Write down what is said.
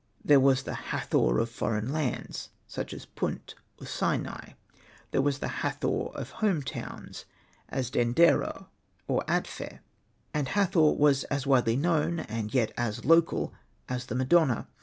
There was the Hathor of foreign lands, such as Punt or Sinai ; there was the Hathor of home towns, as Dendera or Atfih ; and Hathor was as widely known, and yet as local, as the Madonua.